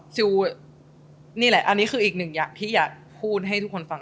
นี่แหละอันนี้คืออีกหนึ่งอย่างที่อยากพูดให้ทุกคนฟัง